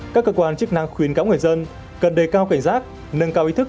các cơ quan chức năng khuyến cáo người dân cần đề cao cảnh giác nâng cao ý thức